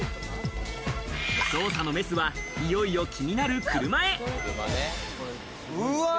捜査のメスは、いよいよ気になる車へ。